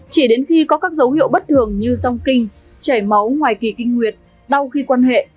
chỉ đến khi có các dấu hiệu bất thường như song kinh chảy máu ngoài kỳ kinh nguyệt đau khi quan hệ